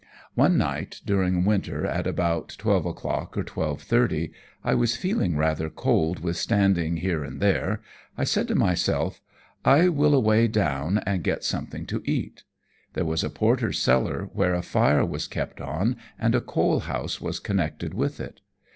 One night during winter at about 12 o'clock or 12.30 I was feeling rather cold with standing here and there; I said to myself, 'I will away down and get something to eat.' There was a porter's cellar where a fire was kept on and a coal house was connected with it.